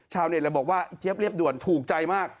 ชาวเณ็ดแปลบอกว่าอีเจี๊ยบเรียบด่วนถูกใจมาก